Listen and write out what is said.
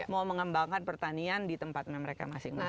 mau mengembangkan pertanian di tempat mereka masing masing